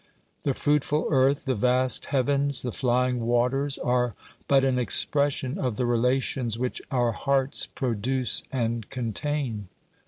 The fruitful earth, the vast heavens, the flying waters, are but an expression of the relations which our hearts produce and contain.